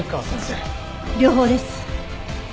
両方です。